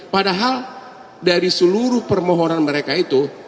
padahal dari seluruh permohonan mereka itu